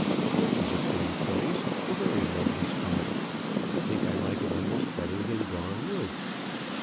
This is a pretty place, a very lovely spot. I think I like it almost better than Gar Wood."